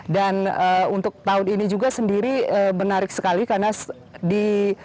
dan untuk tahun ini juga sendiri menarik sekali karena di